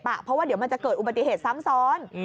เพราะว่าเดี๋ยวมันจะเกิดอุบัติเหตุซ้ำซ้อน